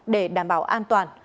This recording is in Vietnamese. để đảm bảo an toàn